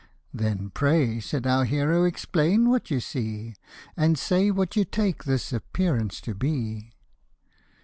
" Then pray," said our hero, " explain what you see, And say what you take this appearance to be."